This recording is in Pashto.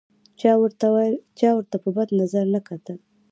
چا ورته په بد نظر نه کتل.